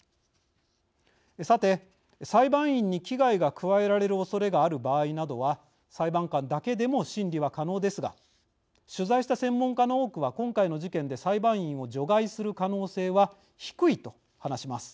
さて、裁判員に危害が加えられるおそれがある場合などは裁判官だけでも審理は可能ですが取材した専門家の多くは今回の事件で、裁判員を除外する可能性は低いと話します。